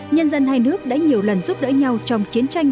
nhân dân hai nước đã nhiều lần giúp đỡ nhau trong chiến tranh